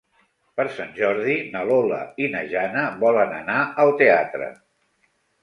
Per Sant Jordi na Lola i na Jana volen anar al teatre.